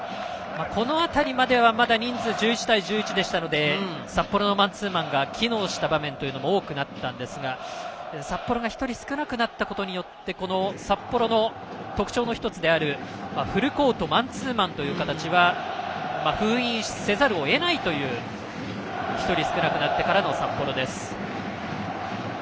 この辺りまではまだ人数が１１対１１でしたので札幌のマンツーマンが機能した場面も多かったんですが札幌が１人少なくなったことによって札幌の特徴の１つであるフルコートマンツーマンの形は封印せざるを得ないという１人少なくなってからの札幌です。